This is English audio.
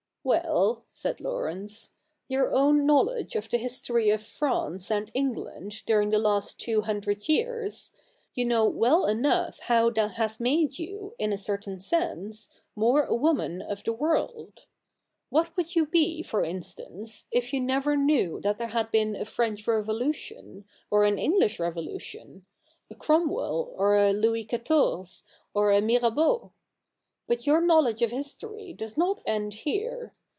' Well,' said Laurence, ' your own knowledge of the historv of France and England during the last two hundred years — you know well enough how that has made you, in a certain sense, more a woman of the world, ^^^^at would you be, for instance, if you never knew that there had been a French Revolution, or an English Revolution — a Cromwell, or a Louis Quatorze, or a Mirabeau ? But your knowledge of history does not end here.